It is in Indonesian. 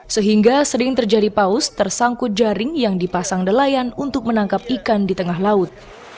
sehingga sering terjadi paus tersangkut jaring yang dipasang nelayan untuk menangkap ikan di tengah laut